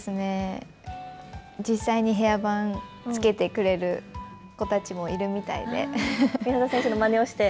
実際にヘアバン着けてくれる子たちもいるみたいで宮澤選手のまねをして？